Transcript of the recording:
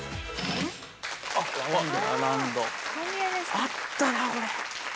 あったなこれ。＃